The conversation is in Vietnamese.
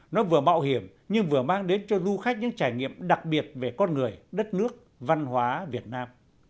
nó vừa mạo hiểm nhưng vừa mang đến cho du khách những trải nghiệm đặc biệt về con người đất nước văn hóa việt nam